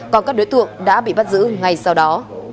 còn các đối tượng đã bị bắt giữ ngay sau đó